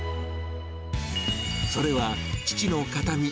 それは、父の形見。